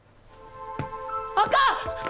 あかん！